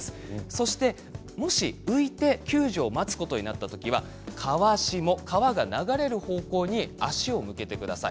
そしてもし浮いて救助を待つことになった時、川下、川が流れる方向に足を向けてください。